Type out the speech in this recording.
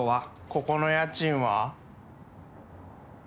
ここの家賃は？